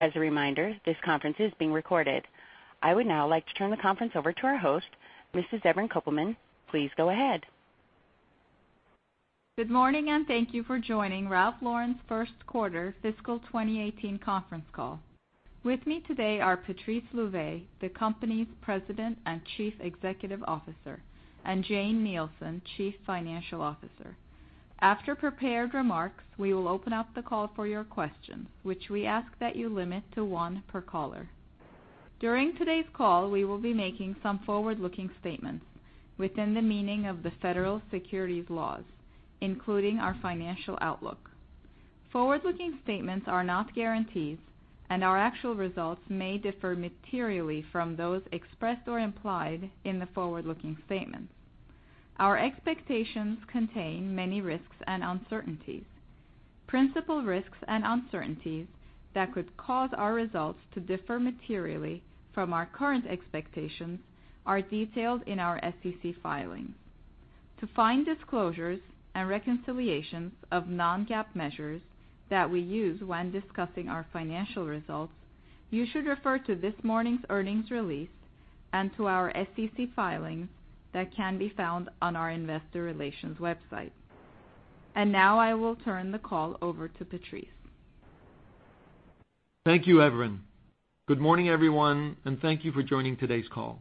As a reminder, this conference is being recorded. I would now like to turn the conference over to our host, Mrs. Evren Kopelman. Please go ahead. Good morning. Thank you for joining Ralph Lauren's first quarter fiscal 2018 conference call. With me today are Patrice Louvet, the company's President and Chief Executive Officer, and Jane Nielsen, Chief Financial Officer. After prepared remarks, we will open up the call for your questions, which we ask that you limit to one per caller. During today's call, we will be making some forward-looking statements within the meaning of the Federal securities laws, including our financial outlook. Forward-looking statements are not guarantees, and our actual results may differ materially from those expressed or implied in the forward-looking statements. Our expectations contain many risks and uncertainties. Principal risks and uncertainties that could cause our results to differ materially from our current expectations are detailed in our SEC filings. To find disclosures and reconciliations of non-GAAP measures that we use when discussing our financial results, you should refer to this morning's earnings release and to our SEC filings that can be found on our investor relations website. Now I will turn the call over to Patrice. Thank you, Evren. Good morning, everyone. Thank you for joining today's call.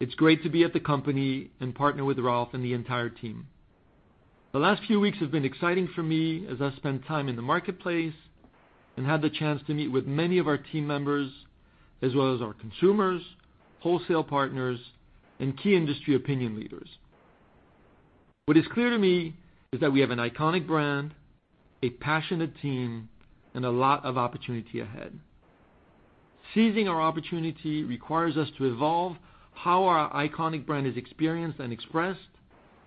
It's great to be at the company and partner with Ralph and the entire team. The last few weeks have been exciting for me as I spent time in the marketplace and had the chance to meet with many of our team members as well as our consumers, wholesale partners, and key industry opinion leaders. What is clear to me is that we have an iconic brand, a passionate team, and a lot of opportunity ahead. Seizing our opportunity requires us to evolve how our iconic brand is experienced and expressed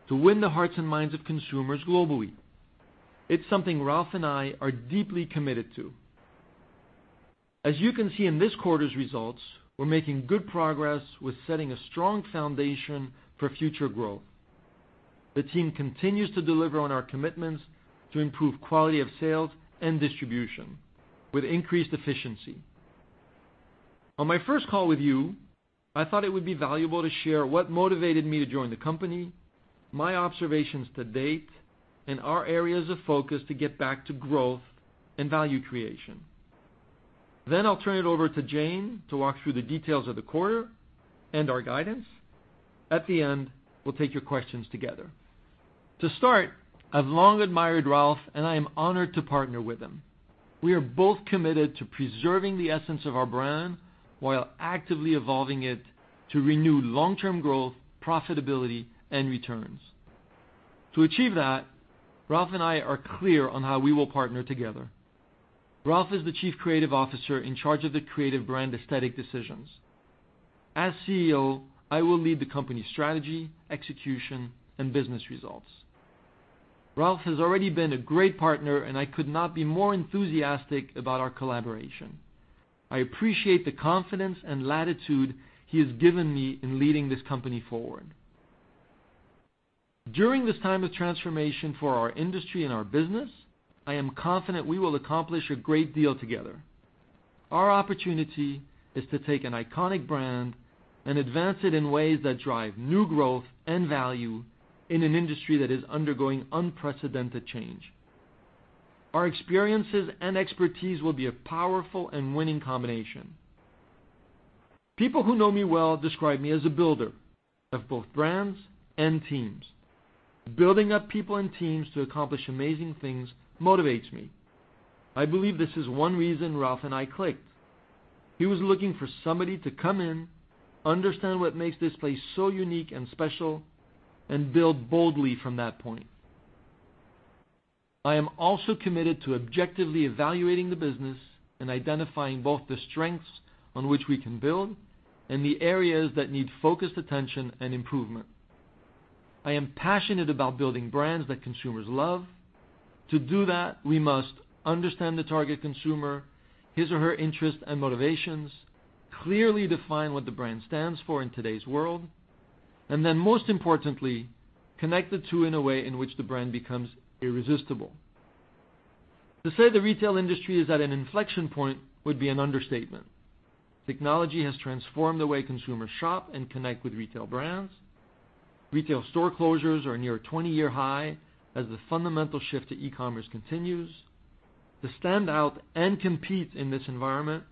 to win the hearts and minds of consumers globally. It's something Ralph and I are deeply committed to. As you can see in this quarter's results, we're making good progress with setting a strong foundation for future growth. The team continues to deliver on our commitments to improve quality of sales and distribution with increased efficiency. On my first call with you, I thought it would be valuable to share what motivated me to join the company, my observations to date, and our areas of focus to get back to growth and value creation. I'll turn it over to Jane to walk through the details of the quarter and our guidance. At the end, we'll take your questions together. To start, I've long admired Ralph, and I am honored to partner with him. We are both committed to preserving the essence of our brand while actively evolving it to renew long-term growth, profitability, and returns. To achieve that, Ralph and I are clear on how we will partner together. Ralph is the Chief Creative Officer in charge of the creative brand aesthetic decisions. As CEO, I will lead the company strategy, execution, and business results. Ralph has already been a great partner, I could not be more enthusiastic about our collaboration. I appreciate the confidence and latitude he has given me in leading this company forward. During this time of transformation for our industry and our business, I am confident we will accomplish a great deal together. Our opportunity is to take an iconic brand and advance it in ways that drive new growth and value in an industry that is undergoing unprecedented change. Our experiences and expertise will be a powerful and winning combination. People who know me well describe me as a builder of both brands and teams. Building up people and teams to accomplish amazing things motivates me. I believe this is one reason Ralph and I clicked. He was looking for somebody to come in, understand what makes this place so unique and special, build boldly from that point. I am also committed to objectively evaluating the business and identifying both the strengths on which we can build and the areas that need focused attention and improvement. I am passionate about building brands that consumers love. To do that, we must understand the target consumer, his or her interests and motivations, clearly define what the brand stands for in today's world, most importantly, connect the two in a way in which the brand becomes irresistible. To say the retail industry is at an inflection point would be an understatement. Technology has transformed the way consumers shop and connect with retail brands. Retail store closures are near a 20-year high as the fundamental shift to e-commerce continues. To stand out and compete in this environment,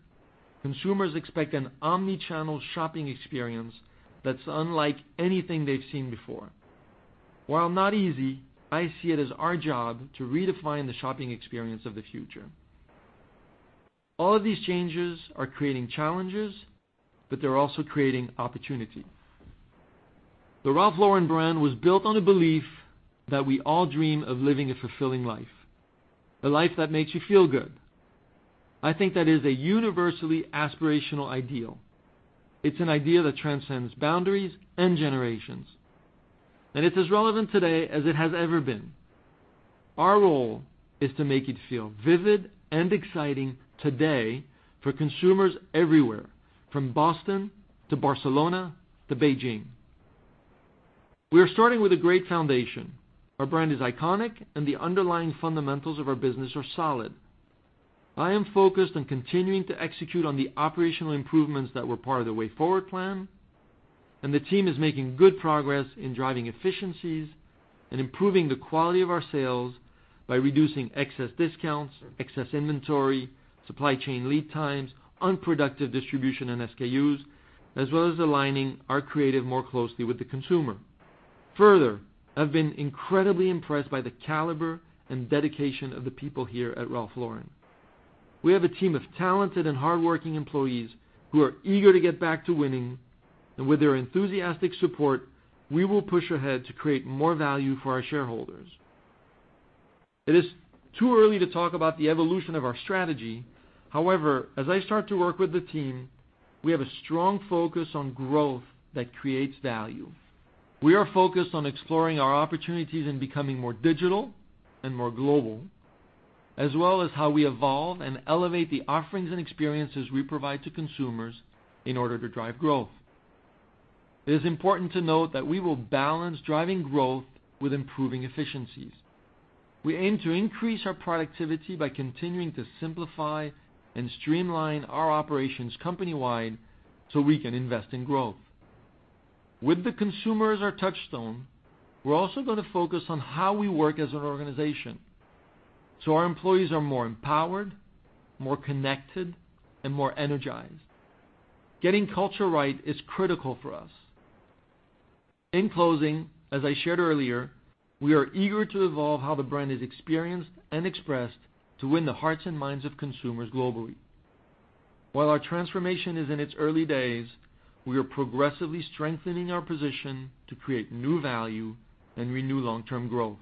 consumers expect an omni-channel shopping experience that's unlike anything they've seen before. While not easy, I see it as our job to redefine the shopping experience of the future. All of these changes are creating challenges, they're also creating opportunity. The Ralph Lauren brand was built on a belief that we all dream of living a fulfilling life, a life that makes you feel good. I think that is a universally aspirational ideal. It's an idea that transcends boundaries and generations, it's as relevant today as it has ever been. Our role is to make it feel vivid and exciting today for consumers everywhere, from Boston to Barcelona to Beijing. We are starting with a great foundation. Our brand is iconic, the underlying fundamentals of our business are solid. I am focused on continuing to execute on the operational improvements that were part of the Way Forward plan, and the team is making good progress in driving efficiencies and improving the quality of our sales by reducing excess discounts, excess inventory, supply chain lead times, unproductive distribution and SKUs, as well as aligning our creative more closely with the consumer. Further, I've been incredibly impressed by the caliber and dedication of the people here at Ralph Lauren. We have a team of talented and hardworking employees who are eager to get back to winning, and with their enthusiastic support, we will push ahead to create more value for our shareholders. It is too early to talk about the evolution of our strategy. However, as I start to work with the team, we have a strong focus on growth that creates value. We are focused on exploring our opportunities and becoming more digital and more global, as well as how we evolve and elevate the offerings and experiences we provide to consumers in order to drive growth. It is important to note that we will balance driving growth with improving efficiencies. We aim to increase our productivity by continuing to simplify and streamline our operations company-wide so we can invest in growth. With the consumer as our touchstone, we're also going to focus on how we work as an organization so our employees are more empowered, more connected, and more energized. Getting culture right is critical for us. In closing, as I shared earlier, we are eager to evolve how the brand is experienced and expressed to win the hearts and minds of consumers globally. While our transformation is in its early days, we are progressively strengthening our position to create new value and renew long-term growth.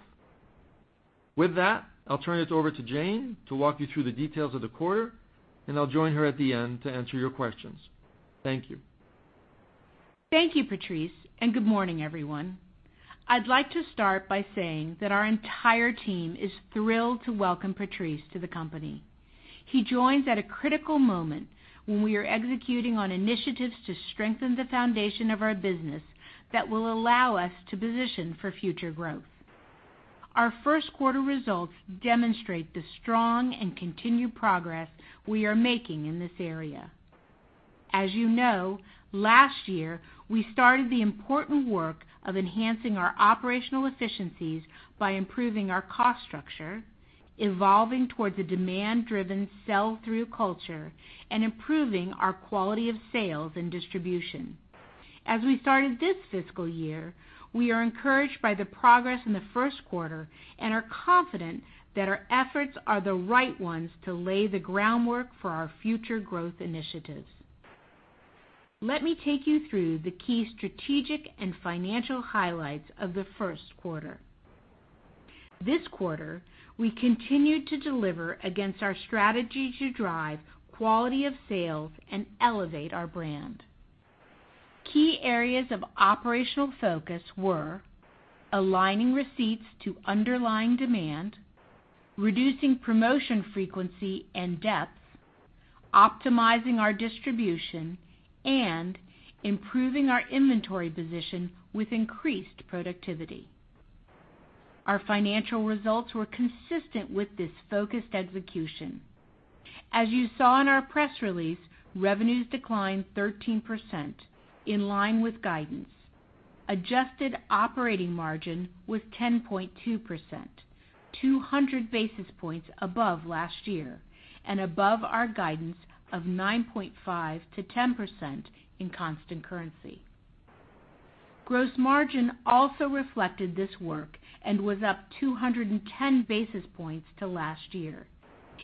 With that, I'll turn it over to Jane to walk you through the details of the quarter, and I'll join her at the end to answer your questions. Thank you. Thank you, Patrice, and good morning, everyone. I'd like to start by saying that our entire team is thrilled to welcome Patrice to the company. He joins at a critical moment when we are executing on initiatives to strengthen the foundation of our business that will allow us to position for future growth. Our first quarter results demonstrate the strong and continued progress we are making in this area. As you know, last year, we started the important work of enhancing our operational efficiencies by improving our cost structure, evolving towards a demand-driven sell-through culture, and improving our quality of sales and distribution. As we started this fiscal year, we are encouraged by the progress in the first quarter and are confident that our efforts are the right ones to lay the groundwork for our future growth initiatives. Let me take you through the key strategic and financial highlights of the first quarter. This quarter, we continued to deliver against our strategy to drive quality of sales and elevate our brand. Key areas of operational focus were aligning receipts to underlying demand, reducing promotion frequency and depth, optimizing our distribution, and improving our inventory position with increased productivity. Our financial results were consistent with this focused execution. As you saw in our press release, revenues declined 13%, in line with guidance. Adjusted operating margin was 10.2%, 200 basis points above last year, and above our guidance of 9.5% to 10% in constant currency. Gross margin also reflected this work and was up 210 basis points to last year.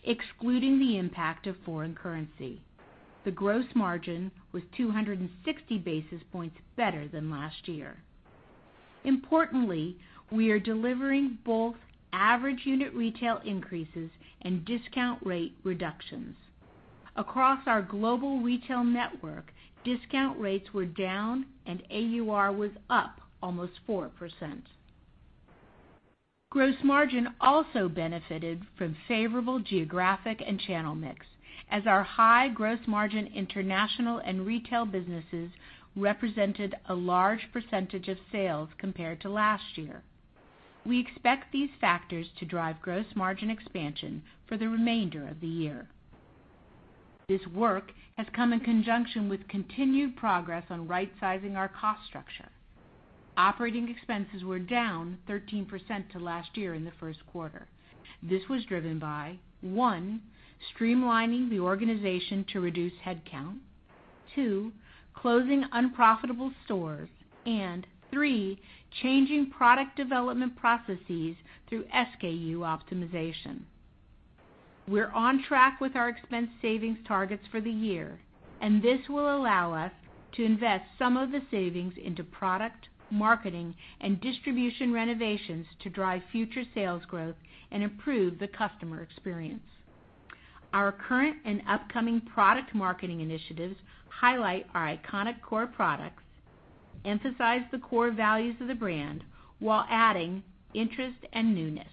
Excluding the impact of foreign currency, the gross margin was 260 basis points better than last year. Importantly, we are delivering both average unit retail increases and discount rate reductions. Across our global retail network, discount rates were down, and AUR was up almost 4%. Gross margin also benefited from favorable geographic and channel mix as our high gross margin international and retail businesses represented a large percentage of sales compared to last year. We expect these factors to drive gross margin expansion for the remainder of the year. This work has come in conjunction with continued progress on rightsizing our cost structure. Operating expenses were down 13% to last year in the first quarter. This was driven by, one, streamlining the organization to reduce headcount, two, closing unprofitable stores, and three, changing product development processes through SKU optimization. We're on track with our expense savings targets for the year, this will allow us to invest some of the savings into product, marketing, and distribution renovations to drive future sales growth and improve the customer experience. Our current and upcoming product marketing initiatives highlight our iconic core products, emphasize the core values of the brand while adding interest and newness.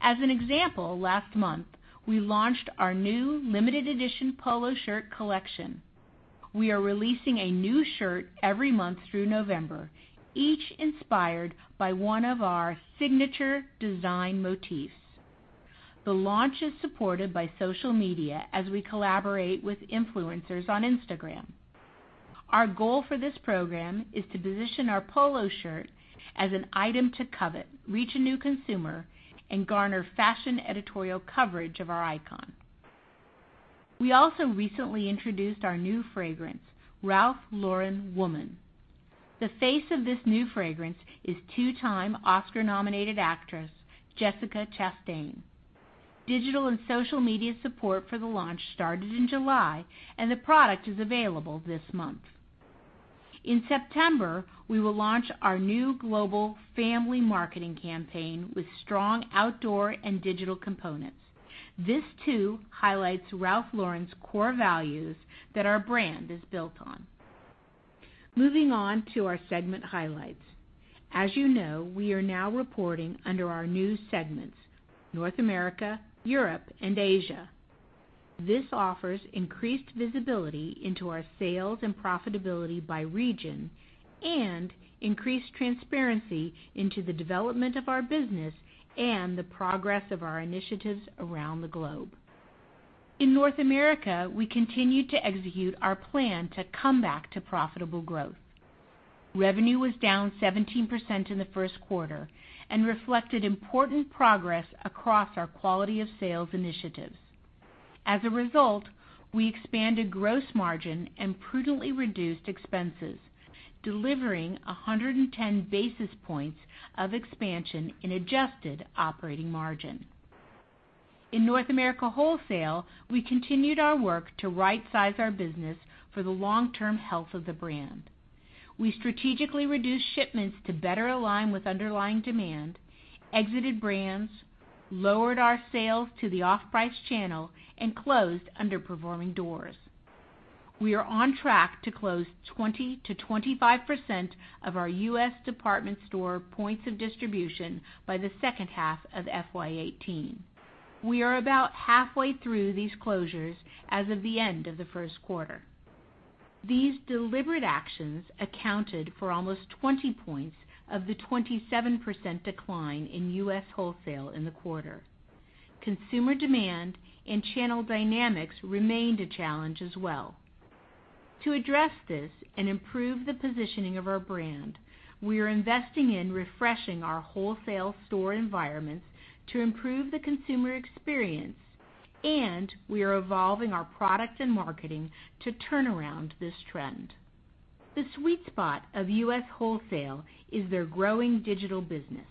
As an example, last month, we launched our new limited edition polo shirt collection. We are releasing a new shirt every month through November, each inspired by one of our signature design motifs. The launch is supported by social media as we collaborate with influencers on Instagram. Our goal for this program is to position our polo shirt as an item to covet, reach a new consumer, and garner fashion editorial coverage of our icon. We also recently introduced our new fragrance, Ralph Lauren Woman. The face of this new fragrance is two-time Oscar-nominated actress Jessica Chastain. Digital and social media support for the launch started in July, the product is available this month. In September, we will launch our new global family marketing campaign with strong outdoor and digital components. This too highlights Ralph Lauren's core values that our brand is built on. Moving on to our segment highlights. As you know, we are now reporting under our new segments, North America, Europe, and Asia. This offers increased visibility into our sales and profitability by region, increased transparency into the development of our business and the progress of our initiatives around the globe. In North America, we continued to execute our plan to come back to profitable growth. Revenue was down 17% in the first quarter and reflected important progress across our quality-of-sales initiatives. As a result, we expanded gross margin and prudently reduced expenses, delivering 110 basis points of expansion in adjusted operating margin. In North America wholesale, we continued our work to right-size our business for the long-term health of the brand. We strategically reduced shipments to better align with underlying demand, exited brands, lowered our sales to the off-price channel, and closed underperforming doors. We are on track to close 20%-25% of our U.S. department store points of distribution by the second half of FY 2018. We are about halfway through these closures as of the end of the first quarter. These deliberate actions accounted for almost 20 points of the 27% decline in U.S. wholesale in the quarter. Consumer demand and channel dynamics remained a challenge as well. To address this and improve the positioning of our brand, we are investing in refreshing our wholesale store environments to improve the consumer experience, and we are evolving our product and marketing to turn around this trend. The sweet spot of U.S. wholesale is their growing digital business.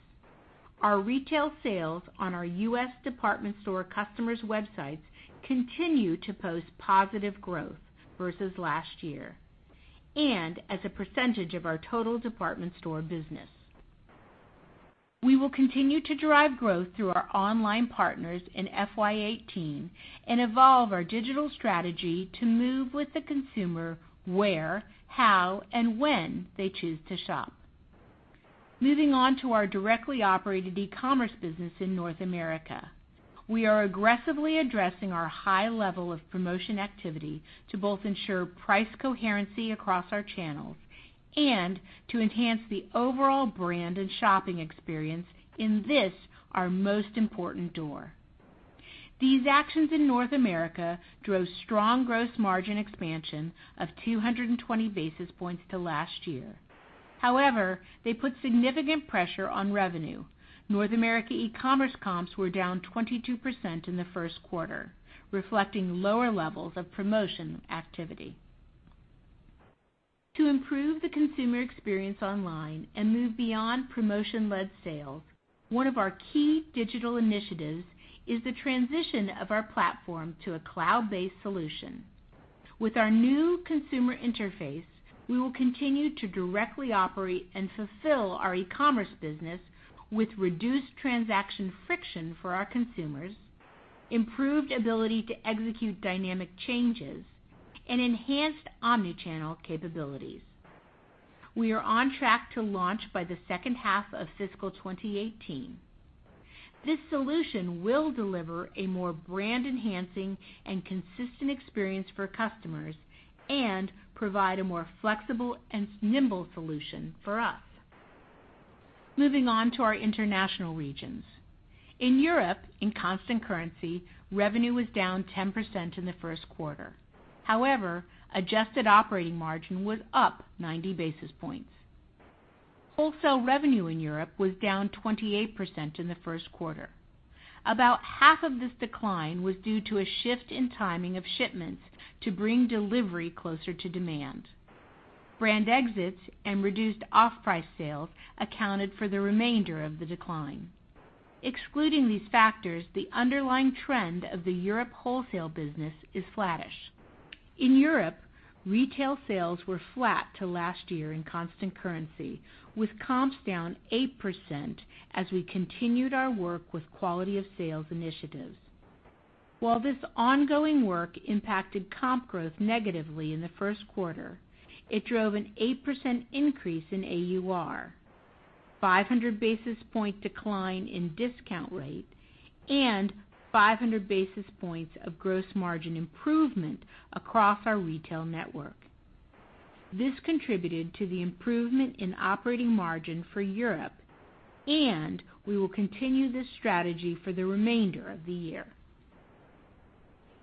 Our retail sales on our U.S. department store customers' websites continue to post positive growth versus last year and as a percentage of our total department store business. We will continue to drive growth through our online partners in FY 2018 and evolve our digital strategy to move with the consumer where, how, and when they choose to shop. Moving on to our directly operated e-commerce business in North America. We are aggressively addressing our high level of promotion activity to both ensure price coherency across our channels and to enhance the overall brand and shopping experience in this, our most important door. These actions in North America drove strong gross margin expansion of 220 basis points to last year. However, they put significant pressure on revenue. North America e-commerce comps were down 22% in the first quarter, reflecting lower levels of promotion activity. To improve the consumer experience online and move beyond promotion-led sales, one of our key digital initiatives is the transition of our platform to a cloud-based solution. With our new consumer interface, we will continue to directly operate and fulfill our e-commerce business with reduced transaction friction for our consumers, improved ability to execute dynamic changes, and enhanced omni-channel capabilities. We are on track to launch by the second half of fiscal 2018. This solution will deliver a more brand-enhancing and consistent experience for customers and provide a more flexible and nimble solution for us. Moving on to our international regions. In Europe, in constant currency, revenue was down 10% in the first quarter. However, adjusted operating margin was up 90 basis points. Wholesale revenue in Europe was down 28% in the first quarter. About half of this decline was due to a shift in timing of shipments to bring delivery closer to demand. Brand exits and reduced off-price sales accounted for the remainder of the decline. Excluding these factors, the underlying trend of the Europe wholesale business is flattish. In Europe, retail sales were flat to last year in constant currency, with comps down 8% as we continued our work with quality-of-sales initiatives. While this ongoing work impacted comp growth negatively in the first quarter, it drove an 8% increase in AUR, 500 basis point decline in discount rate, and 500 basis points of gross margin improvement across our retail network. This contributed to the improvement in operating margin for Europe, and we will continue this strategy for the remainder of the year.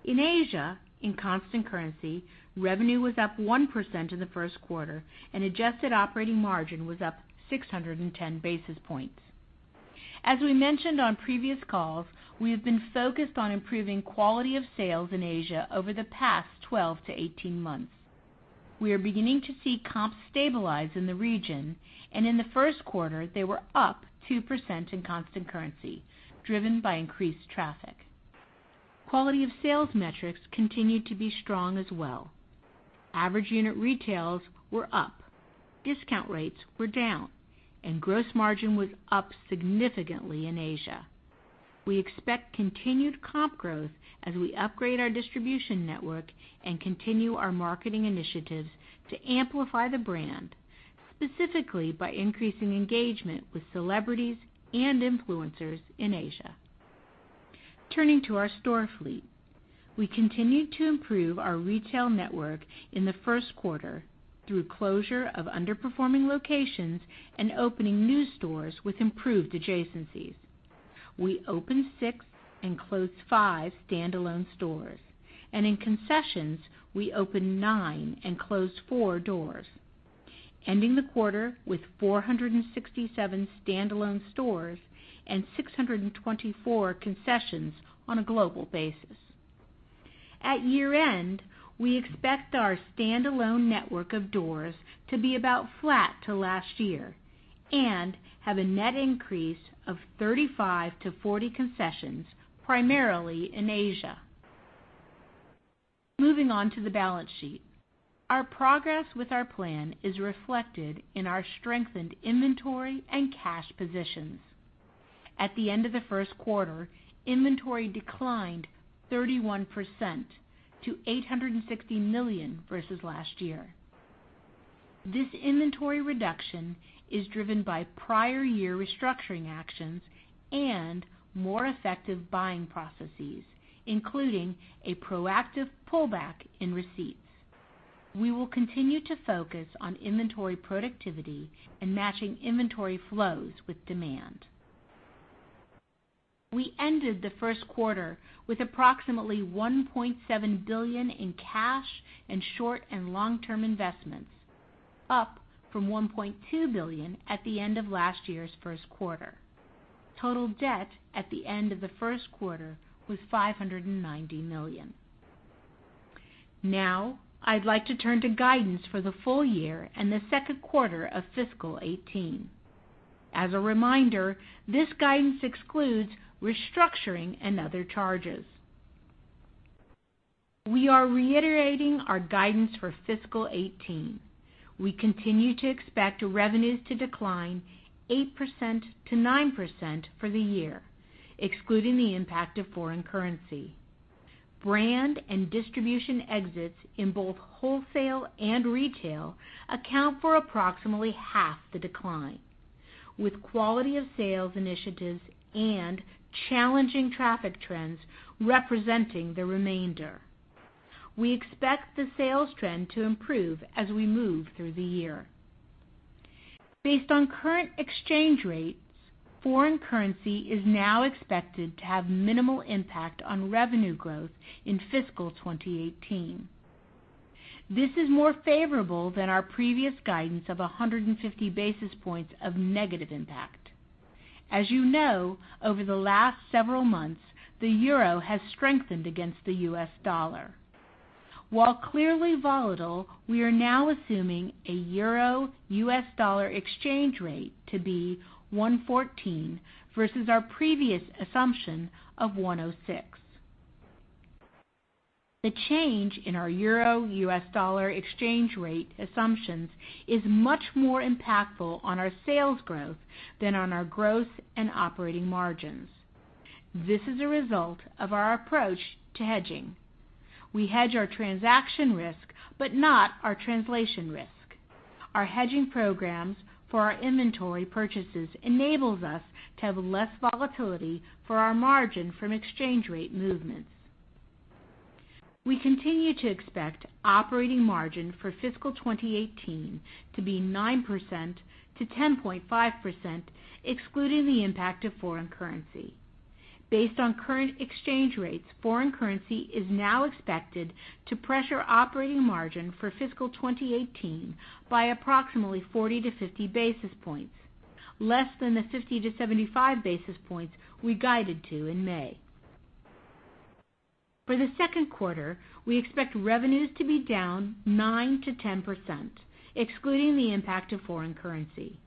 In Asia, in constant currency, revenue was up 1% in the first quarter, and adjusted operating margin was up 610 basis points. As we mentioned on previous calls, we have been focused on improving quality of sales in Asia over the past 12 to 18 months. We are beginning to see comps stabilize in the region, and in the first quarter, they were up 2% in constant currency, driven by increased traffic. Quality of sales metrics continued to be strong as well. Average unit retails were up, discount rates were down, and gross margin was up significantly in Asia. We expect continued comp growth as we upgrade our distribution network and continue our marketing initiatives to amplify the brand, specifically by increasing engagement with celebrities and influencers in Asia. Turning to our store fleet. We continued to improve our retail network in the first quarter through closure of underperforming locations and opening new stores with improved adjacencies. We opened six and closed five standalone stores, and in concessions, we opened nine and closed four doors, ending the quarter with 467 standalone stores and 624 concessions on a global basis. At year-end, we expect our standalone network of doors to be about flat to last year and have a net increase of 35 to 40 concessions, primarily in Asia. Moving on to the balance sheet. Our progress with our plan is reflected in our strengthened inventory and cash positions. At the end of the first quarter, inventory declined 31% to $860 million versus last year. This inventory reduction is driven by prior year restructuring actions and more effective buying processes, including a proactive pullback in receipts. We will continue to focus on inventory productivity and matching inventory flows with demand. We ended the first quarter with approximately $1.7 billion in cash and short- and long-term investments, up from $1.2 billion at the end of last year's first quarter. Total debt at the end of the first quarter was $590 million. Now, I'd like to turn to guidance for the full year and the second quarter of FY 2018. As a reminder, this guidance excludes restructuring and other charges. We are reiterating our guidance for FY 2018. We continue to expect revenues to decline 8% to 9% for the year, excluding the impact of foreign currency. Brand and distribution exits in both wholesale and retail account for approximately half the decline, with quality of sales initiatives and challenging traffic trends representing the remainder. We expect the sales trend to improve as we move through the year. Based on current exchange rates, foreign currency is now expected to have minimal impact on revenue growth in fiscal 2018. This is more favorable than our previous guidance of 150 basis points of negative impact. As you know, over the last several months, the euro has strengthened against the US dollar. While clearly volatile, we are now assuming a euro-US dollar exchange rate to be 114 versus our previous assumption of 106. The change in our euro-US dollar exchange rate assumptions is much more impactful on our sales growth than on our growth and operating margins. This is a result of our approach to hedging. We hedge our transaction risk but not our translation risk. Our hedging programs for our inventory purchases enables us to have less volatility for our margin from exchange rate movements. We continue to expect operating margin for fiscal 2018 to be 9% to 10.5%, excluding the impact of foreign currency. Based on current exchange rates, foreign currency is now expected to pressure operating margin for fiscal 2018 by approximately 40 to 50 basis points, less than the 50 to 75 basis points we guided to in May. For the second quarter, we expect revenues to be down 9% to 10%, excluding the impact of foreign currency.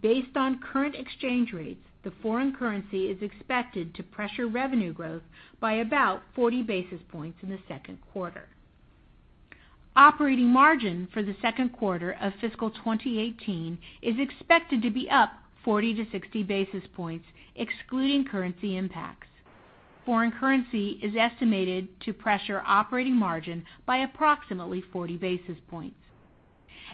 Based on current exchange rates, the foreign currency is expected to pressure revenue growth by about 40 basis points in the second quarter. Operating margin for the second quarter of fiscal 2018 is expected to be up 40 to 60 basis points excluding currency impacts. Foreign currency is estimated to pressure operating margin by approximately 40 basis points.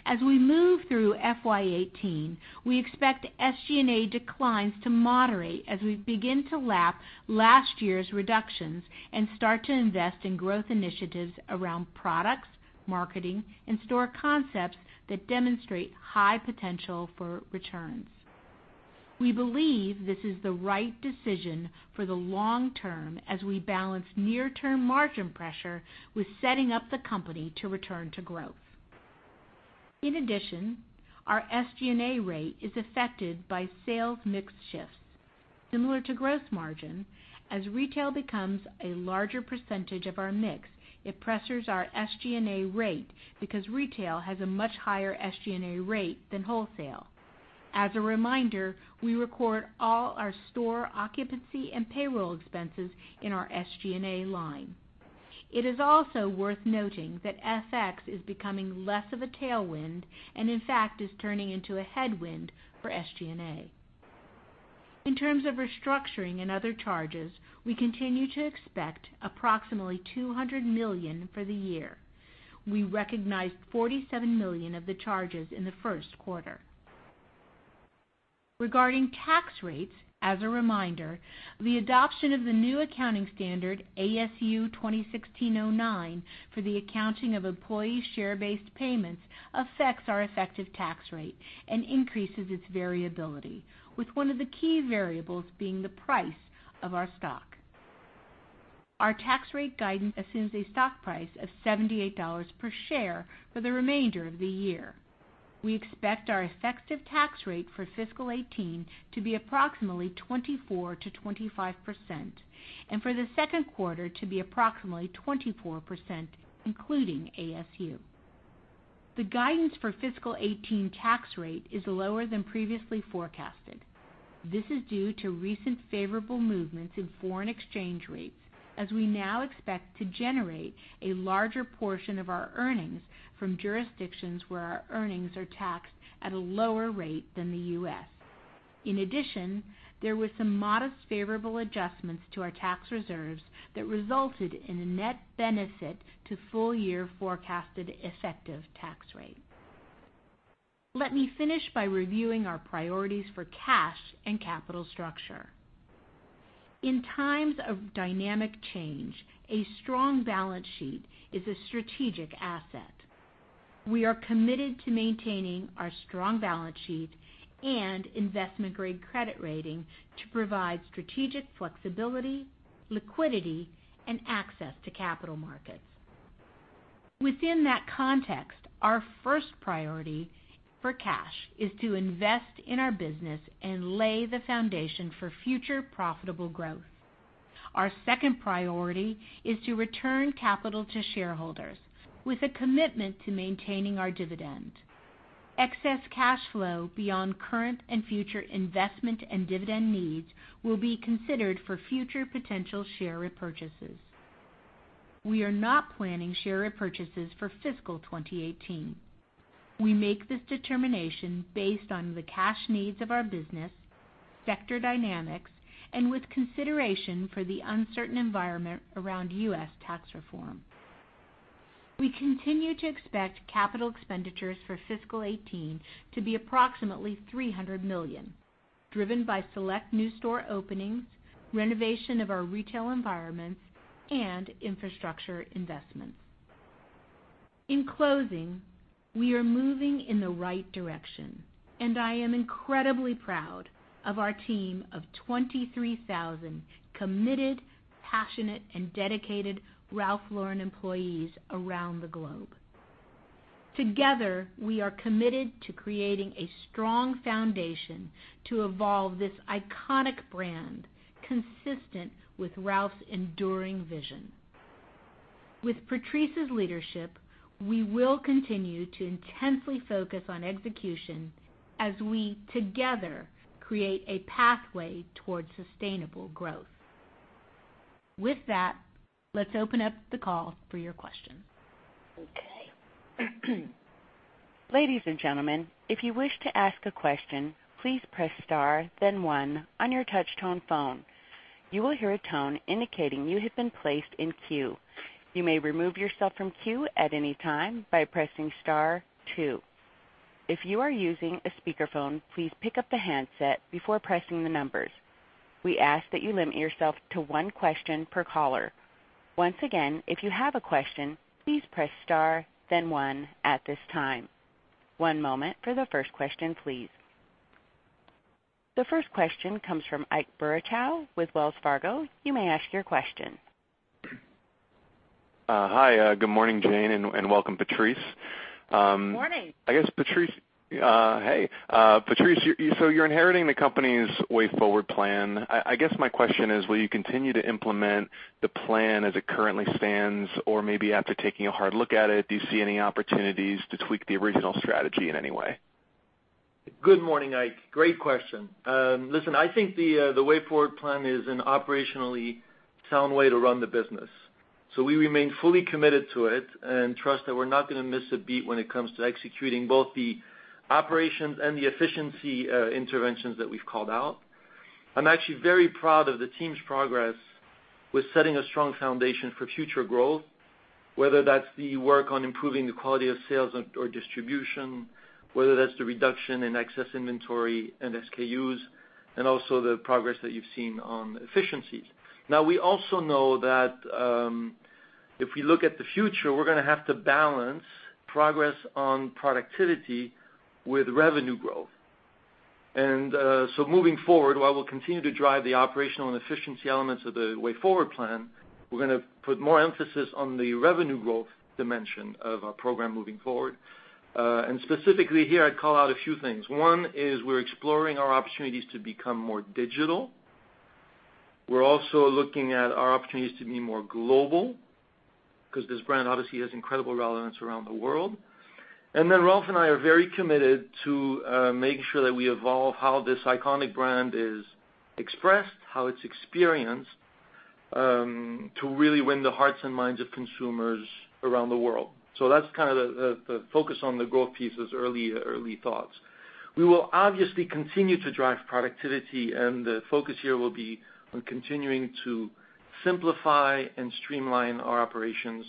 As we move through FY 2018, we expect SG&A declines to moderate as we begin to lap last year's reductions and start to invest in growth initiatives around products, marketing, and store concepts that demonstrate high potential for returns. We believe this is the right decision for the long term as we balance near-term margin pressure with setting up the company to return to growth. Our SG&A rate is affected by sales mix shifts. Similar to gross margin, as retail becomes a larger percentage of our mix, it pressures our SG&A rate because retail has a much higher SG&A rate than wholesale. As a reminder, we record all our store occupancy and payroll expenses in our SG&A line. It is also worth noting that FX is becoming less of a tailwind and, in fact, is turning into a headwind for SG&A. In terms of restructuring and other charges, we continue to expect approximately $200 million for the year. We recognized $47 million of the charges in the first quarter. Regarding tax rates, as a reminder, the adoption of the new accounting standard, ASU 2016-09, for the accounting of employee share-based payments affects our effective tax rate and increases its variability, with one of the key variables being the price of our stock. Our tax rate guidance assumes a stock price of $78 per share for the remainder of the year. We expect our effective tax rate for fiscal 2018 to be approximately 24% to 25%, and for the second quarter to be approximately 24%, including ASU. The guidance for fiscal 2018 tax rate is lower than previously forecasted. This is due to recent favorable movements in foreign exchange rates, as we now expect to generate a larger portion of our earnings from jurisdictions where our earnings are taxed at a lower rate than the U.S. There were some modest favorable adjustments to our tax reserves that resulted in a net benefit to full-year forecasted effective tax rate. Let me finish by reviewing our priorities for cash and capital structure. In times of dynamic change, a strong balance sheet is a strategic asset. We are committed to maintaining our strong balance sheet and investment-grade credit rating to provide strategic flexibility, liquidity, and access to capital markets. Within that context, our first priority for cash is to invest in our business and lay the foundation for future profitable growth. Our second priority is to return capital to shareholders with a commitment to maintaining our dividend. Excess cash flow beyond current and future investment and dividend needs will be considered for future potential share repurchases. We are not planning share repurchases for fiscal 2018. We make this determination based on the cash needs of our business, sector dynamics, and with consideration for the uncertain environment around U.S. tax reform. We continue to expect capital expenditures for fiscal 2018 to be approximately $300 million, driven by select new store openings, renovation of our retail environments, and infrastructure investments. In closing, we are moving in the right direction, and I am incredibly proud of our team of 23,000 committed, passionate, and dedicated Ralph Lauren employees around the globe. Together, we are committed to creating a strong foundation to evolve this iconic brand consistent with Ralph's enduring vision. With Patrice's leadership, we will continue to intensely focus on execution as we together create a pathway towards sustainable growth. With that, let's open up the call for your questions. Okay. Ladies and gentlemen, if you wish to ask a question, please press star then one on your touchtone phone. You will hear a tone indicating you have been placed in queue. You may remove yourself from queue at any time by pressing star two. If you are using a speakerphone, please pick up the handset before pressing the numbers. We ask that you limit yourself to one question per caller. Once again, if you have a question, please press star then one at this time. One moment for the first question, please. The first question comes from Ike Boruchow with Wells Fargo. You may ask your question. Hi, good morning, Jane, and welcome, Patrice. Morning. Hey. Patrice, you're inheriting the company's Way Forward plan. I guess my question is, will you continue to implement the plan as it currently stands? Or maybe after taking a hard look at it, do you see any opportunities to tweak the original strategy in any way? Good morning, Ike. Great question. Listen, I think the Way Forward plan is an operationally sound way to run the business. We remain fully committed to it and trust that we're not going to miss a beat when it comes to executing both the operations and the efficiency interventions that we've called out. I'm actually very proud of the team's progress with setting a strong foundation for future growth, whether that's the work on improving the quality of sales or distribution, whether that's the reduction in excess inventory and SKUs, and also the progress that you've seen on efficiencies. We also know that if we look at the future, we're going to have to balance progress on productivity with revenue growth. Moving forward, while we'll continue to drive the operational and efficiency elements of the Way Forward plan, we're going to put more emphasis on the revenue growth dimension of our program moving forward. Specifically here, I'd call out a few things. One is we're exploring our opportunities to become more digital. We're also looking at our opportunities to be more global, because this brand obviously has incredible relevance around the world. Ralph and I are very committed to making sure that we evolve how this iconic brand is expressed, how it's experienced, to really win the hearts and minds of consumers around the world. That's the focus on the growth piece, those early thoughts. We will obviously continue to drive productivity, and the focus here will be on continuing to simplify and streamline our operations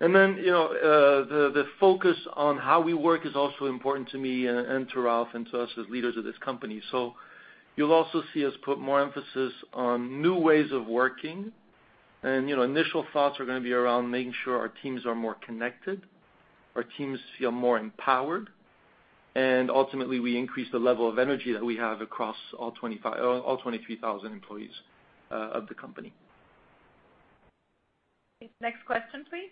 company-wide. The focus on how we work is also important to me and to Ralph and to us as leaders of this company. You'll also see us put more emphasis on new ways of working, and initial thoughts are going to be around making sure our teams are more connected, our teams feel more empowered, and ultimately, we increase the level of energy that we have across all 23,000 employees of the company. Next question, please.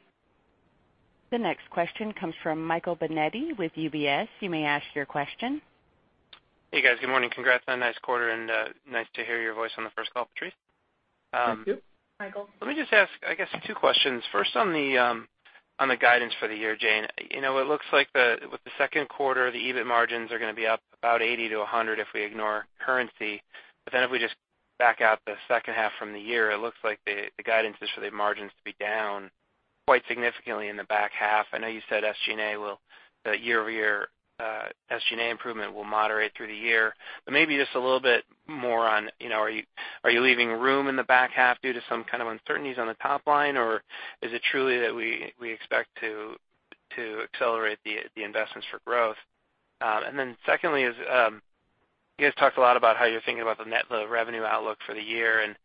The next question comes from Michael Binetti with UBS. You may ask your question. Hey, guys. Good morning. Congrats on a nice quarter and nice to hear your voice on the first call, Patrice. Thank you. Michael. Let me just ask, I guess two questions. First, on the guidance for the year, Jane. It looks like with the second quarter, the EBIT margins are going to be up about 80-100 if we ignore currency. If we just back out the second half from the year, it looks like the guidance is for the margins to be down quite significantly in the back half. I know you said year-over-year SG&A improvement will moderate through the year. Maybe just a little bit more on, are you leaving room in the back half due to some kind of uncertainties on the top line? Or is it truly that we expect to accelerate the investments for growth? Secondly is, you guys talked a lot about how you're thinking about the net revenue outlook for the year and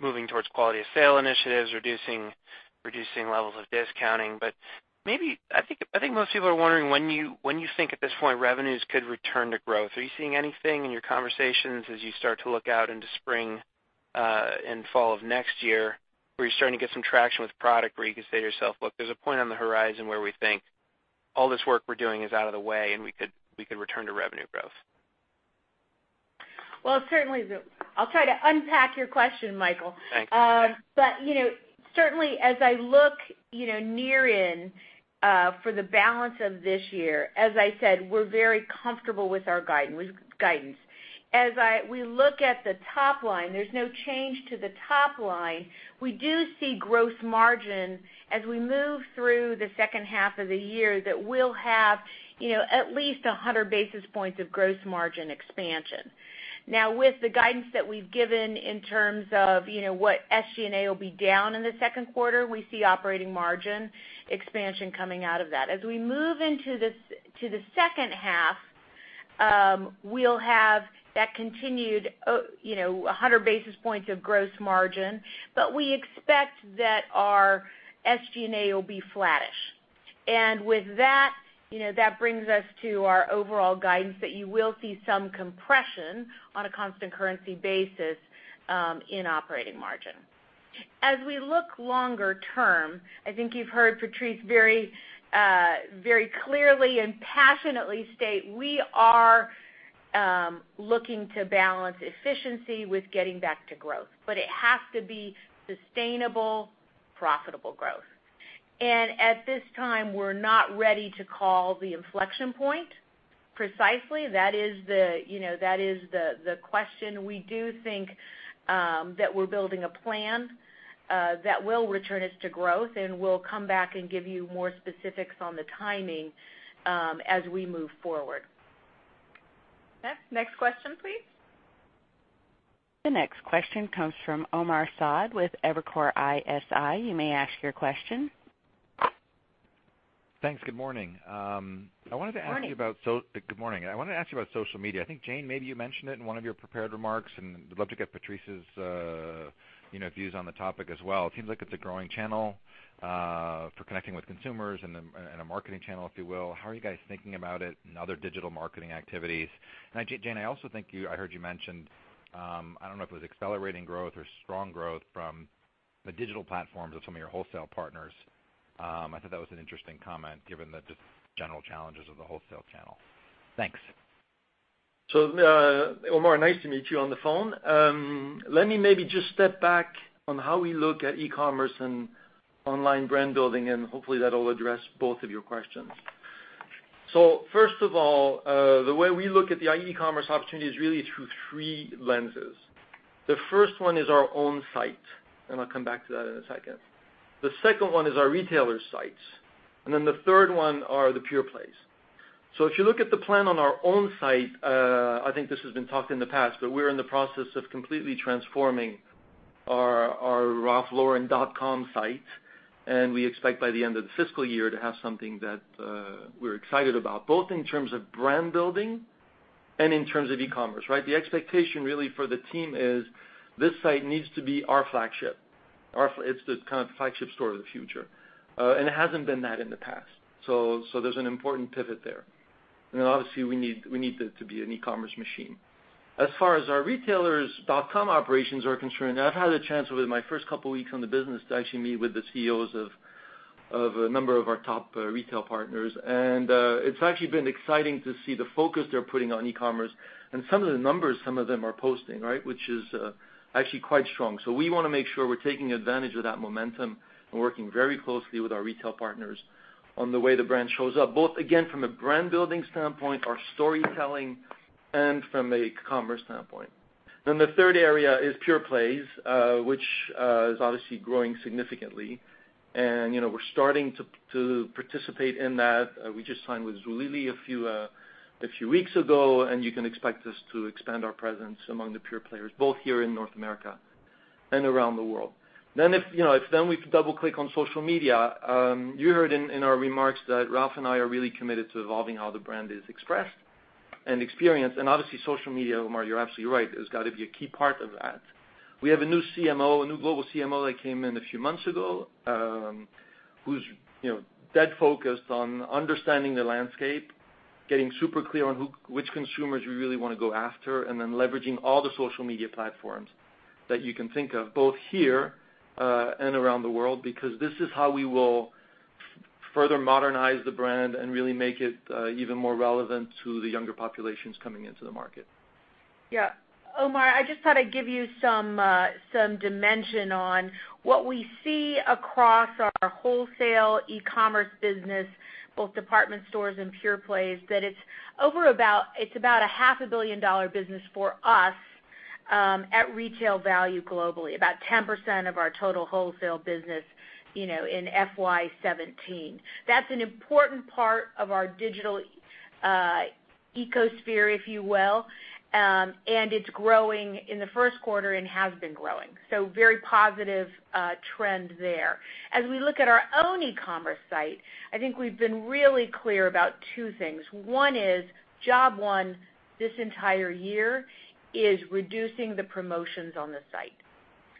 moving towards quality of sale initiatives, reducing levels of discounting. Maybe, I think most people are wondering when you think at this point revenues could return to growth. Are you seeing anything in your conversations as you start to look out into spring and fall of next year, where you're starting to get some traction with product where you can say to yourself, "Look, there's a point on the horizon where we think all this work we're doing is out of the way, and we could return to revenue growth. Well, certainly. I'll try to unpack your question, Michael. Thanks. Certainly as I look near in for the balance of this year, as I said, we're very comfortable with our guidance. As we look at the top line, there's no change to the top line. We do see gross margin as we move through the second half of the year, that we'll have at least 100 basis points of gross margin expansion. Now, with the guidance that we've given in terms of what SG&A will be down in the second quarter, we see operating margin expansion coming out of that. As we move into the second half, we'll have that continued 100 basis points of gross margin, but we expect that our SG&A will be flattish. With that brings us to our overall guidance that you will see some compression on a constant currency basis in operating margin. As we look longer term, I think you've heard Patrice very clearly and passionately state we are looking to balance efficiency with getting back to growth. It has to be sustainable, profitable growth. At this time, we're not ready to call the inflection point precisely. That is the question. We do think that we're building a plan that will return us to growth, and we'll come back and give you more specifics on the timing as we move forward. Next question, please. The next question comes from Omar Saad with Evercore ISI. You may ask your question. Thanks. Good morning. Morning. Good morning. I wanted to ask you about social media. I think, Jane, maybe you mentioned it in one of your prepared remarks, and we'd love to get Patrice's views on the topic as well. It seems like it's a growing channel for connecting with consumers and a marketing channel, if you will. How are you guys thinking about it and other digital marketing activities? Jane, I also think I heard you mention, I don't know if it was accelerating growth or strong growth from the digital platforms of some of your wholesale partners. I thought that was an interesting comment given the general challenges of the wholesale channel. Thanks. Omar, nice to meet you on the phone. Let me maybe just step back on how we look at e-commerce and online brand building, and hopefully that'll address both of your questions. First of all, the way we look at the e-commerce opportunity is really through three lenses. The first one is our own site, and I'll come back to that in a second. The second one is our retailers' sites, and the third one are the pure plays. If you look at the plan on our own site, I think this has been talked in the past, but we're in the process of completely transforming our ralphlauren.com site, and we expect by the end of the fiscal year to have something that we're excited about, both in terms of brand building and in terms of e-commerce. The expectation really for the team is this site needs to be our flagship. It's the kind of flagship store of the future. It hasn't been that in the past. There's an important pivot there. Obviously, we need it to be an e-commerce machine. As far as our retailers' .com operations are concerned, I've had a chance within my first couple of weeks on the business to actually meet with the CEOs of a number of our top retail partners. It's actually been exciting to see the focus they're putting on e-commerce and some of the numbers some of them are posting, which is actually quite strong. We want to make sure we're taking advantage of that momentum and working very closely with our retail partners on the way the brand shows up, both again, from a brand building standpoint, our storytelling, and from a commerce standpoint. The third area is pure plays, which is obviously growing significantly. We're starting to participate in that. We just signed with Zulily a few weeks ago, and you can expect us to expand our presence among the pure players, both here in North America and around the world. If we double click on social media, you heard in our remarks that Ralph and I are really committed to evolving how the brand is expressed and experienced. Obviously social media, Omar, you're absolutely right, has got to be a key part of that. We have a new global CMO that came in a few months ago, who's dead focused on understanding the landscape, getting super clear on which consumers we really want to go after, leveraging all the social media platforms that you can think of, both here and around the world, because this is how we will further modernize the brand and really make it even more relevant to the younger populations coming into the market. Yeah. Omar, I just thought I'd give you some dimension on what we see across our wholesale e-commerce business, both department stores and pure plays, that it's about a half a billion-dollar business for us at retail value globally, about 10% of our total wholesale business in FY 2017. That's an important part of our digital ecosphere, if you will, and it's growing in the first quarter and has been growing. Very positive trend there. As we look at our own e-commerce site, I think we've been really clear about two things. One is job one this entire year is reducing the promotions on the site.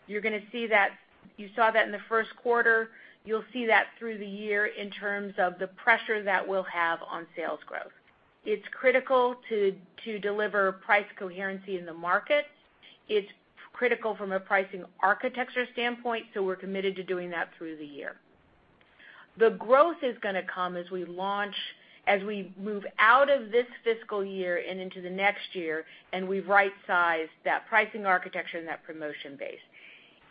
You saw that in the first quarter. You'll see that through the year in terms of the pressure that we'll have on sales growth. It's critical to deliver price coherency in the market. It's critical from a pricing architecture standpoint, we're committed to doing that through the year. The growth is going to come as we move out of this fiscal year and into the next year, we've right-sized that pricing architecture and that promotion base.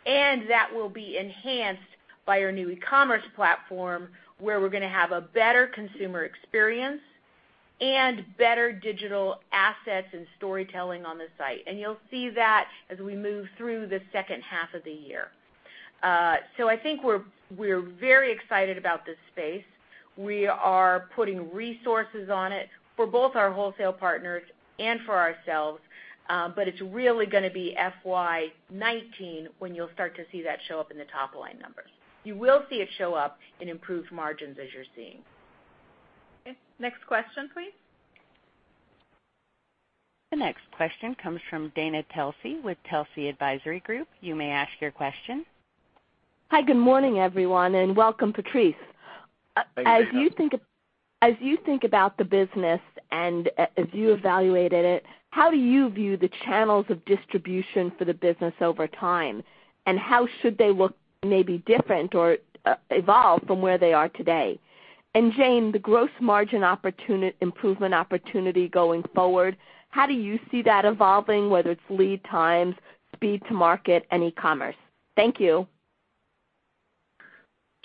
That will be enhanced by our new e-commerce platform, where we're going to have a better consumer experience and better digital assets and storytelling on the site. You'll see that as we move through the second half of the year. I think we're very excited about this space. We are putting resources on it for both our wholesale partners and for ourselves, it's really going to be FY 2019 when you'll start to see that show up in the top-line numbers. You will see it show up in improved margins as you're seeing. Next question, please. The next question comes from Dana Telsey with Telsey Advisory Group. You may ask your question. Hi, good morning, everyone, welcome, Patrice. Thank you. As you think about the business and as you evaluated it, how do you view the channels of distribution for the business over time? How should they look maybe different or evolve from where they are today? Jane, the gross margin improvement opportunity going forward, how do you see that evolving, whether it's lead times, speed to market, and e-commerce? Thank you.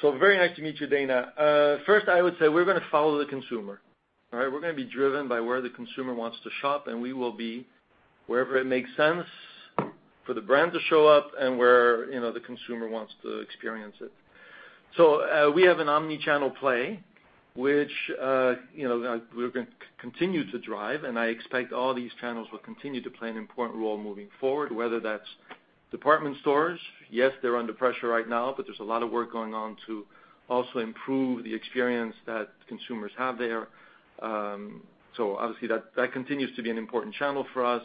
Very nice to meet you, Dana. First I would say we're going to follow the consumer. We're going to be driven by where the consumer wants to shop, and we will be wherever it makes sense for the brand to show up and where the consumer wants to experience it. We have an omni-channel play, which we're going to continue to drive, and I expect all these channels will continue to play an important role moving forward, whether that's department stores. Yes, they're under pressure right now, but there's a lot of work going on to also improve the experience that consumers have there. Obviously that continues to be an important channel for us.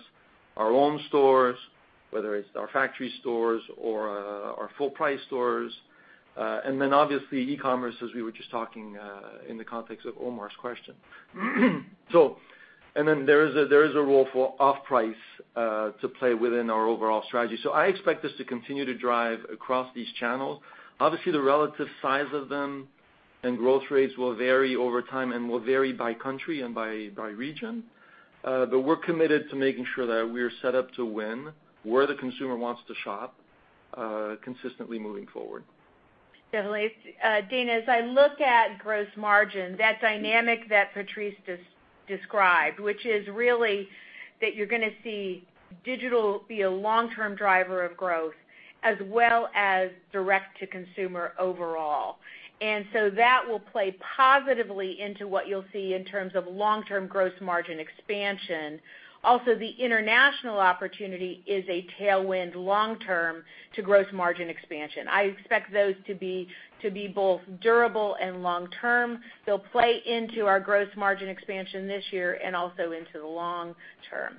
Our own stores, whether it's our factory stores or our full-price stores, obviously e-commerce, as we were just talking in the context of Omar's question. There is a role for off-price to play within our overall strategy. I expect us to continue to drive across these channels. Obviously, the relative size of them growth rates will vary over time and will vary by country and by region. We're committed to making sure that we are set up to win where the consumer wants to shop consistently moving forward. Definitely. Patrice, as I look at gross margin, that dynamic that Patrice described, which is really that you're going to see digital be a long-term driver of growth as well as direct to consumer overall. That will play positively into what you'll see in terms of long-term gross margin expansion. Also, the international opportunity is a tailwind long-term to gross margin expansion. I expect those to be both durable and long-term. They'll play into our gross margin expansion this year and also into the long term.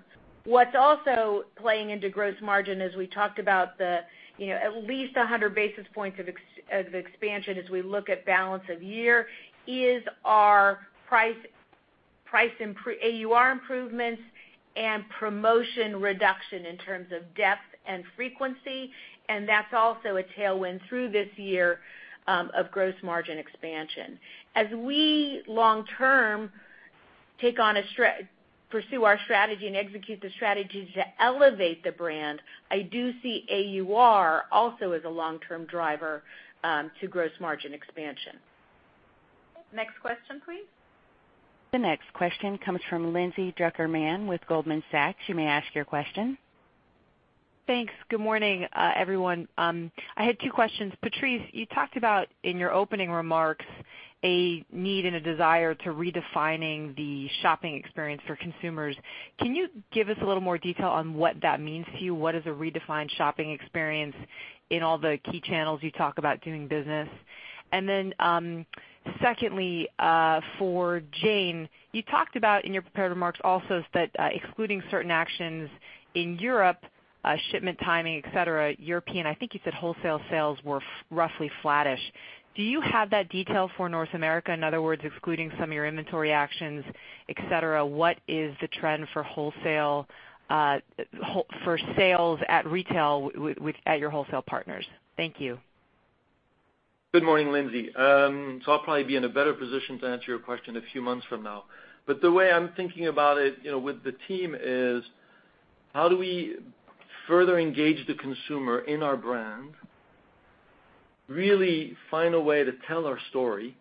What's also playing into gross margin as we talked about the at least 100 basis points of expansion as we look at balance of year is our AUR improvements and promotion reduction in terms of depth and frequency, and that's also a tailwind through this year of gross margin expansion. As we long-term pursue our strategy and execute the strategies to elevate the brand, I do see AUR also as a long-term driver to gross margin expansion. Next question, please. The next question comes from Lindsay Drucker Mann with Goldman Sachs. You may ask your question. Thanks. Good morning, everyone. I had two questions. Patrice, you talked about in your opening remarks a need and a desire to redefining the shopping experience for consumers. Can you give us a little more detail on what that means to you? What is a redefined shopping experience in all the key channels you talk about doing business? Secondly, for Jane, you talked about in your prepared remarks also that excluding certain actions in Europe, shipment timing, et cetera, European, I think you said wholesale sales were roughly flattish. Do you have that detail for North America? In other words, excluding some of your inventory actions, et cetera, what is the trend for sales at retail at your wholesale partners? Thank you. Good morning, Lindsay. I'll probably be in a better position to answer your question a few months from now. The way I'm thinking about it with the team is how do we further engage the consumer in our brand, really find a way to tell our story,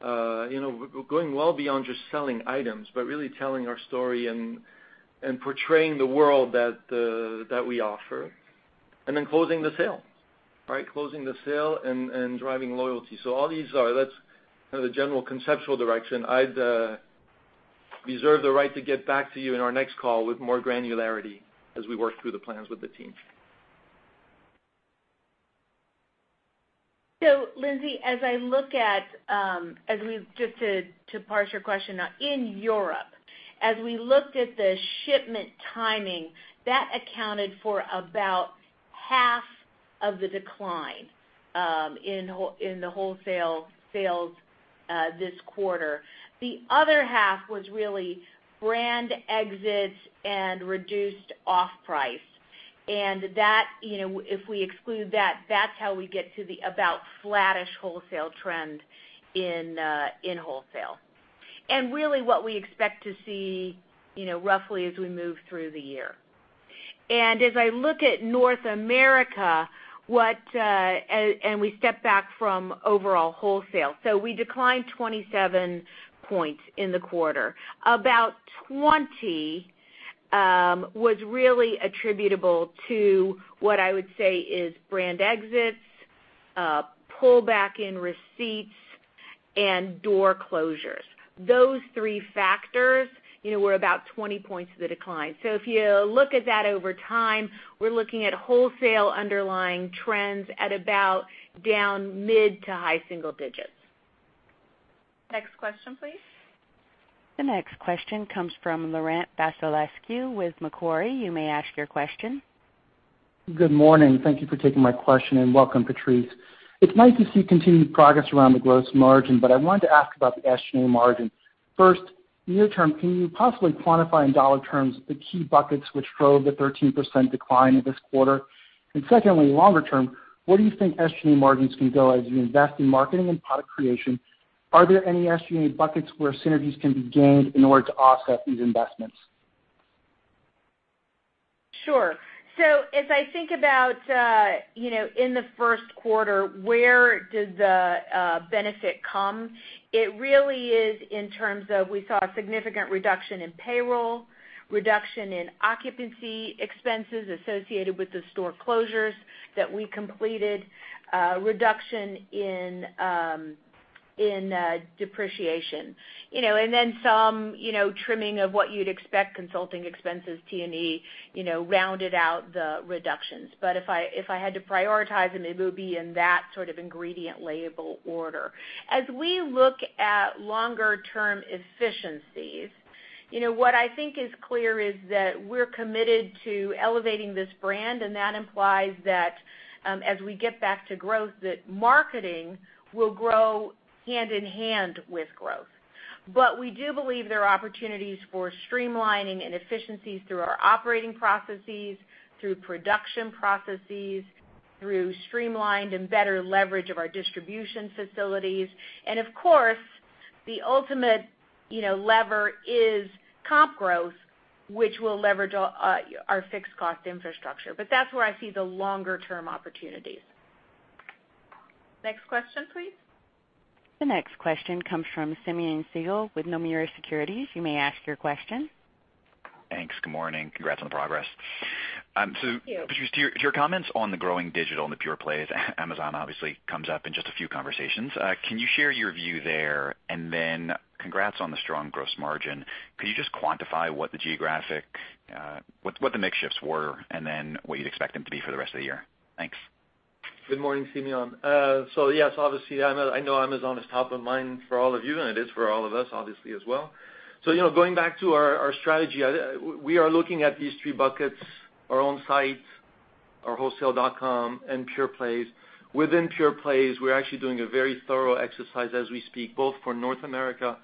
going well beyond just selling items, but really telling our story and portraying the world that we offer, closing the sale. Closing the sale and driving loyalty. That's the general conceptual direction. I'd reserve the right to get back to you in our next call with more granularity as we work through the plans with the team. Lindsay, just to parse your question, in Europe, as we looked at the shipment timing, that accounted for about half of the decline in the wholesale sales this quarter. The other half was really brand exits and reduced off-price. If we exclude that's how we get to the about flattish wholesale trend in wholesale. Really what we expect to see roughly as we move through the year. As I look at North America, we step back from overall wholesale, we declined 27 points in the quarter. About 20 was really attributable to what I would say is brand exits, pull back in receipts, and door closures. Those three factors were about 20 points of the decline. If you look at that over time, we're looking at wholesale underlying trends at about down mid to high single digits. Next question, please. The next question comes from Laurent Vasilescu with Macquarie. You may ask your question. Good morning. Thank you for taking my question, welcome, Patrice. It's nice to see continued progress around the gross margin, but I wanted to ask about the SG&A margin. First, near term, can you possibly quantify in dollar terms the key buckets which drove the 13% decline in this quarter? Secondly, longer term, where do you think SG&A margins can go as you invest in marketing and product creation? Are there any SG&A buckets where synergies can be gained in order to offset these investments? Sure. As I think about in the first quarter, where does the benefit come, it really is in terms of, we saw a significant reduction in payroll, reduction in occupancy expenses associated with the store closures that we completed, reduction in depreciation. Some trimming of what you'd expect, consulting expenses, T&E, rounded out the reductions. If I had to prioritize them, it would be in that sort of ingredient label order. As we look at longer term efficiencies, what I think is clear is that we're committed to elevating this brand, and that implies that as we get back to growth, that marketing will grow hand in hand with growth. We do believe there are opportunities for streamlining and efficiencies through our operating processes, through production processes, through streamlined and better leverage of our distribution facilities. Of course, the ultimate lever is comp growth, which will leverage our fixed cost infrastructure. That's where I see the longer-term opportunities. Next question, please. The next question comes from Simeon Siegel with Nomura Securities. You may ask your question. Thanks. Good morning. Congrats on the progress. Thank you. Patrice, to your comments on the growing digital and the pure plays, Amazon obviously comes up in just a few conversations. Can you share your view there? Then congrats on the strong gross margin. Could you just quantify what the mix shifts were, and then what you'd expect them to be for the rest of the year? Thanks. Good morning, Simeon. Yes, obviously, I know Amazon is top of mind for all of you, and it is for all of us obviously as well. Going back to our strategy, we are looking at these three buckets, our own site, our wholesale.com, and pure plays. Within pure plays, we're actually doing a very thorough exercise as we speak, both for North America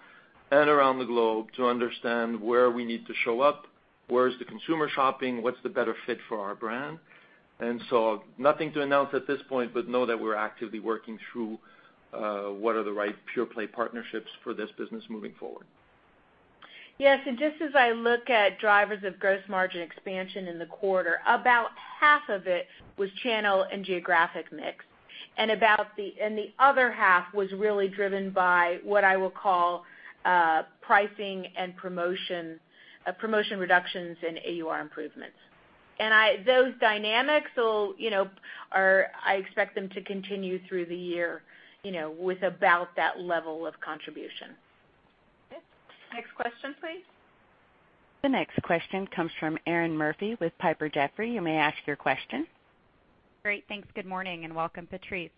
and around the globe to understand where we need to show up, where is the consumer shopping, what's the better fit for our brand. Nothing to announce at this point, but know that we're actively working through what are the right pure play partnerships for this business moving forward. Yes. Just as I look at drivers of gross margin expansion in the quarter, about half of it was channel and geographic mix, and the other half was really driven by what I will call pricing and promotion reductions and AUR improvements. Those dynamics I expect them to continue through the year with about that level of contribution. Okay. Next question, please. The next question comes from Erinn Murphy with Piper Jaffray. You may ask your question. Great. Thanks. Good morning, and welcome, Patrice.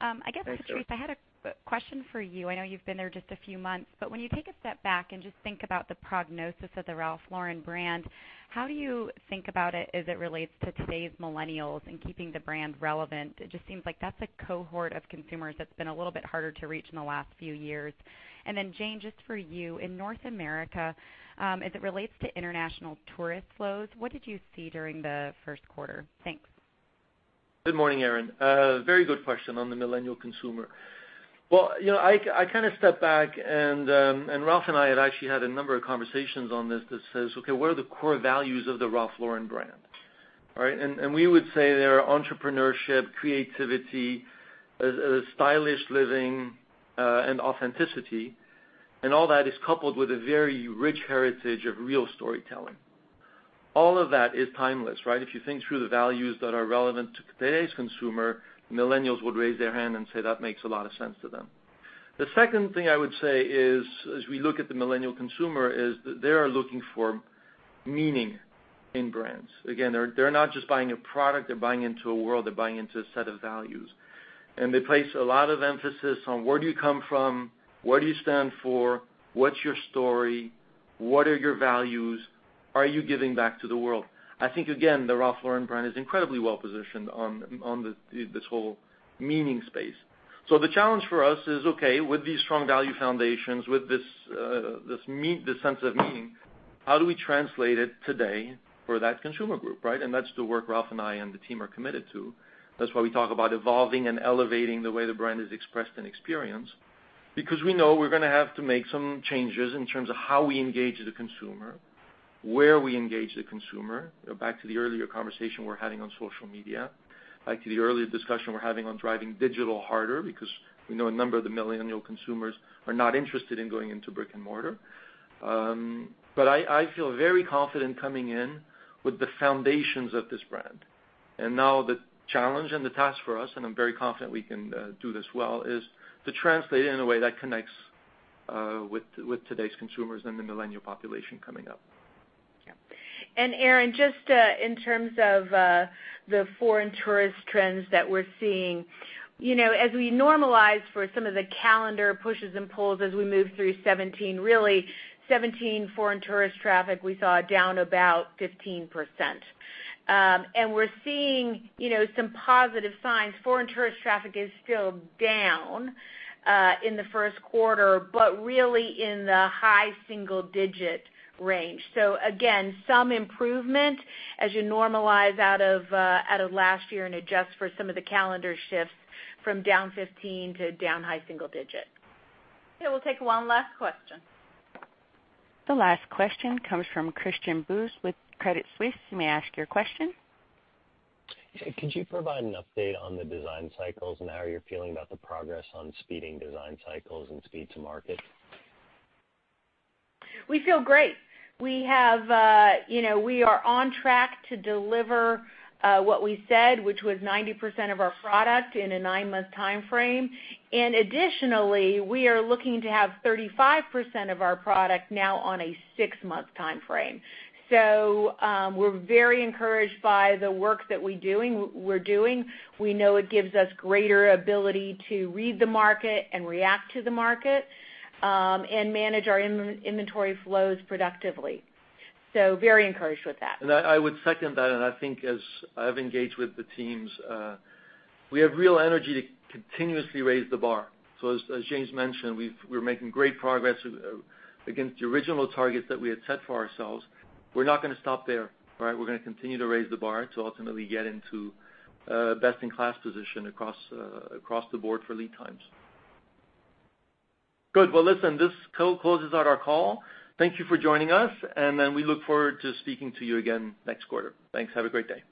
Thank you. I guess, Patrice, I had a question for you. I know you've been there just a few months, but when you take a step back and just think about the prognosis of the Ralph Lauren brand, how do you think about it as it relates to today's millennials and keeping the brand relevant? It just seems like that's a cohort of consumers that's been a little bit harder to reach in the last few years. Jane, just for you, in North America, as it relates to international tourist flows, what did you see during the first quarter? Thanks. Good morning, Erinn. Very good question on the millennial consumer. Well, I kind of stepped back, Ralph and I had actually had a number of conversations on this that says, okay, what are the core values of the Ralph Lauren brand? All right. We would say they are entrepreneurship, creativity, stylish living, and authenticity, and all that is coupled with a very rich heritage of real storytelling. All of that is timeless, right? If you think through the values that are relevant to today's consumer, millennials would raise their hand and say that makes a lot of sense to them. The second thing I would say is, as we look at the millennial consumer, is that they are looking for meaning in brands. Again, they're not just buying a product, they're buying into a world, they're buying into a set of values. They place a lot of emphasis on where do you come from? What do you stand for? What's your story? What are your values? Are you giving back to the world? I think, again, the Ralph Lauren brand is incredibly well-positioned on this whole meaning space. The challenge for us is, okay, with these strong value foundations, with this sense of meaning, how do we translate it today for that consumer group, right? That's the work Ralph and I and the team are committed to. That's why we talk about evolving and elevating the way the brand is expressed and experienced, because we know we're going to have to make some changes in terms of how we engage the consumer, where we engage the consumer. Go back to the earlier conversation we were having on social media, back to the earlier discussion we were having on driving digital harder because we know a number of the millennial consumers are not interested in going into brick and mortar. I feel very confident coming in with the foundations of this brand. Now the challenge and the task for us, and I'm very confident we can do this well, is to translate it in a way that connects with today's consumers and the millennial population coming up. Yeah. Erinn, just in terms of the foreign tourist trends that we're seeing, as we normalize for some of the calendar pushes and pulls as we move through 2017, really 2017 foreign tourist traffic, we saw down about 15%. We're seeing some positive signs. Foreign tourist traffic is still down in the first quarter, but really in the high single-digit range. Again, some improvement as you normalize out of last year and adjust for some of the calendar shifts from down 15% to down high single-digit. Okay, we'll take one last question. The last question comes from Christian Busse with Credit Suisse. You may ask your question. Could you provide an update on the design cycles and how you're feeling about the progress on speeding design cycles and speed to market? We feel great. We are on track to deliver what we said, which was 90% of our product in a nine-month timeframe. Additionally, we are looking to have 35% of our product now on a six-month timeframe. We're very encouraged by the work that we're doing. We know it gives us greater ability to read the market and react to the market, and manage our inventory flows productively. Very encouraged with that. I would second that. I think as I've engaged with the teams, we have real energy to continuously raise the bar. As Jane mentioned, we're making great progress against the original targets that we had set for ourselves. We're not going to stop there, right? We're going to continue to raise the bar to ultimately get into a best-in-class position across the board for lead times. Good. Listen, this closes out our call. Thank you for joining us. We look forward to speaking to you again next quarter. Thanks. Have a great day.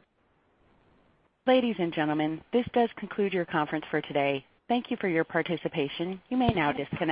Ladies and gentlemen, this does conclude your conference for today. Thank you for your participation. You may now disconnect.